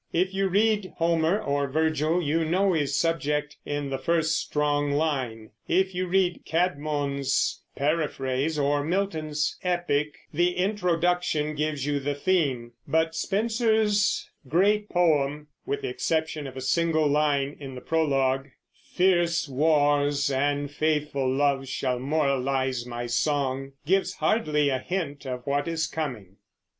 If you read Homer or Virgil, you know his subject in the first strong line; if you read Cædmon's Paraphrase or Milton's epic, the introduction gives you the theme; but Spenser's great poem with the exception of a single line in the prologue, "Fierce warres and faithfull loves shall moralize my song" gives hardly a hint of what is coming.